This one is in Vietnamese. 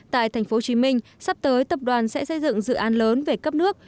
tại tp hcm sắp tới tập đoàn sẽ xây dựng dự án lớn về cấp nước